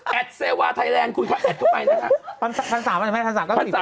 แอดเซวาไทยแรงคุยค่ะแอดเข้าไปนะฮะ